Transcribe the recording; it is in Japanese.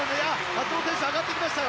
松元選手上がってきましたよ。